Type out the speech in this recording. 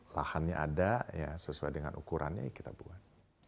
lahannya ada ya sesuai dengan ukurannya ya kita buat